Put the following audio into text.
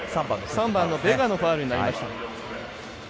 ３番のベガのファウルになりました。